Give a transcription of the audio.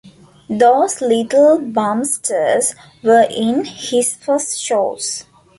Those little bumsters were in his first shows.